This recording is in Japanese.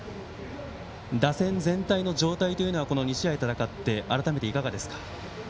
打線全体の状態というのはこの２試合戦って改めていかがですか。